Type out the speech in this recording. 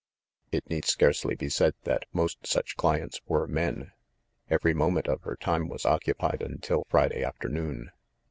It need scarcely be said that most such clients were men. Every moment of her time was occupied until Friday afternoon.